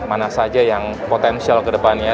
mana saja yang potensial ke depannya